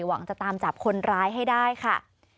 หวังจะตามจับคนร้ายให้ได้ค่ะ